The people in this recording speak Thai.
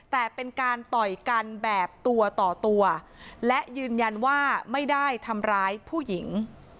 แต่เป็นการต่อยกันแบบตัวต่อตัวและยืนยันว่าไม่ได้ทำร้ายผู้หญิง